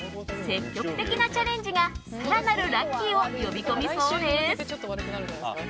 積極的なチャレンジが更なるラッキーを呼び込みそうです。